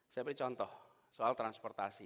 saya beri contoh soal transportasi